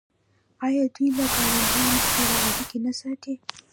آیا دوی له ګاونډیانو سره اړیکې نه ساتي؟